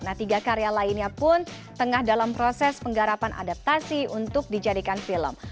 nah tiga karya lainnya pun tengah dalam proses penggarapan adaptasi untuk dijadikan film